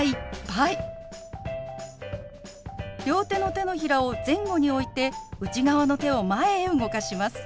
両手の手のひらを前後に置いて内側の手を前へ動かします。